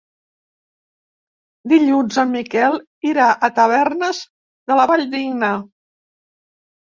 Dilluns en Miquel irà a Tavernes de la Valldigna.